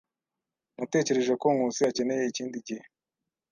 Natekereje ko Nkusi akeneye ikindi gihe.